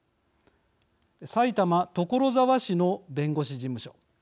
埼玉・所沢市の弁護士事務所。